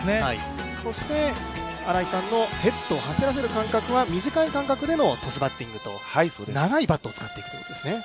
そして、新井さんのヘッドを走らせる感覚は、短い感覚でのトスバッティングと、長いバットを使っていくことですね。